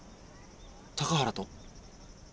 高原と？